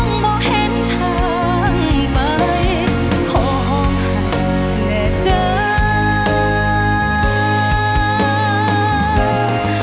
คือมองบอกเห็นทางไป